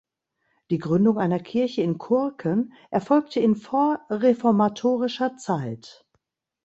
Die Gründung einer Kirche in Kurken erfolgte in vorreformatorischer Zeit.